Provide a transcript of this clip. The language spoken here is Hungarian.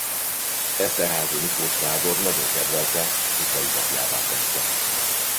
Eszterházy Miklós nádor nagyon kedvelte s udvari papjává tette.